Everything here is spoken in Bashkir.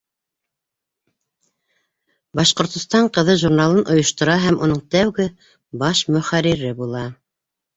«Башҡортостан ҡыҙы» журналын ойоштора һәм уның тәүге баш мөхәррире була.